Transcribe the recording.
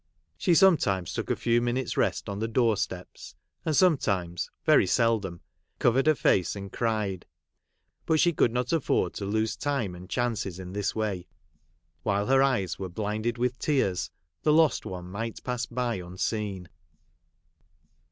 She sometimes took a few minutes' rest on the door steps, and sometimes (very seldom) covered her face and cried ; but she could not aiford to lose time and chances in this way ; while her eyes were blinded with tears, the lost one might pass by unseen.